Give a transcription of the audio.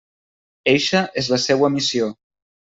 Eixa és la seua missió.